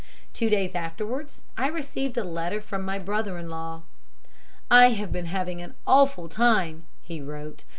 "Two days afterwards I received a letter from my brother in law. "'I have been having an awful time,' he wrote.